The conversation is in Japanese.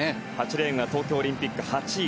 ８レーンが東京オリンピック８位